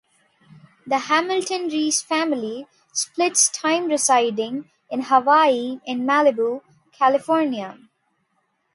The Hamilton-Reece family splits time residing in Hawaii and Malibu, California.